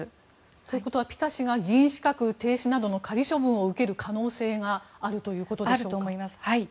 ということはピタ氏が議員資格停止などの仮処分を受ける可能性があるということでしょうか。